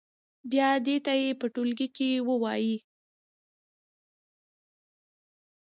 بیا دې یې په ټولګي کې ووايي.